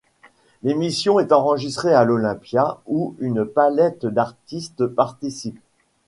L'émission est enregistrée à l'Olympia où une palette d'artistes participent.